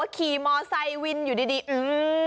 ขี่มอไซค์วินอยู่ดีอื้อ